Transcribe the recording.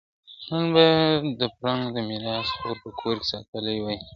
نن به د فرنګ د میراث خور په کور کي ساندي وي !.